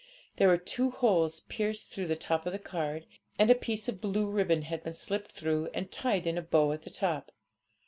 There were two holes pierced through the top of the card, and a piece of blue ribbon had been slipped through, and tied in a bow at the top.